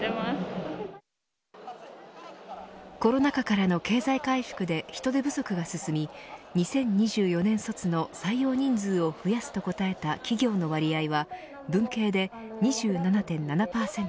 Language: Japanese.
コロナ禍からの経済回復で人手不足が進み２０２４年度卒の採用人数を増やすと答えた企業の割合は文系で２７．７％